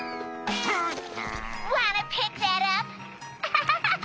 ハハハハ！